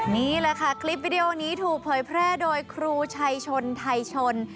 นี่แหละค่ะคลิปวิดีโอนี้ถูกเผยแพร่โดยครูชัยชนไทยชน